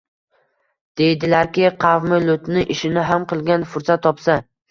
Deydilarki, qavmi Lutni ishini ham qilgan fursat topsa.